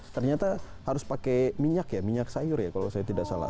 ternyata harus pakai minyak ya minyak sayur ya kalau saya tidak salah